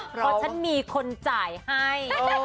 เพราะฉันมีคนจ่ายให้